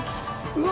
うわ。